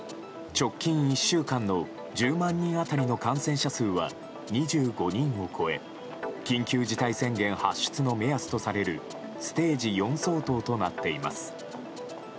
直近１週間の１０万人当たりの感染者数は２５人を超え緊急事態宣言発出の目安とされるステージ４相当となっています。